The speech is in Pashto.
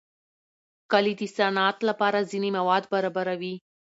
کلي د صنعت لپاره ځینې مواد برابروي.